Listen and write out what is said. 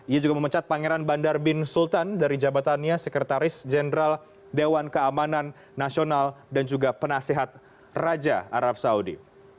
ia juga memecat pangeran bandar bin sultan dari jabatannya sekretaris jenderal dewan keamanan nasional dan juga penasehat raja arab saudi